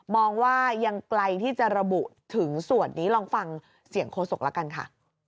มองว่ายังไกลที่จะระบุถึงส่วนนี้ลองฟังเสียงโฆษกแล้วกันค่ะ